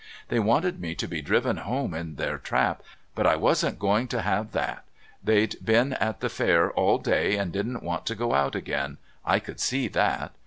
"They wanted me to be driven home in their trap, but I wasn't going to have that. They'd been at the fair all day, and didn't want to go out again. I could see that."